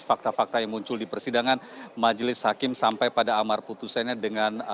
fakta fakta yang muncul di persidangan majelis hakim sampai pada amar putusannya dengan